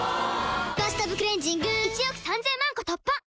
「バスタブクレンジング」１億３０００万個突破！